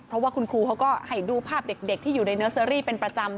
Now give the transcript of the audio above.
เพราะว่าคุณครูเขาก็ให้ดูภาพเด็กที่อยู่ในเนอร์เซอรี่เป็นประจำ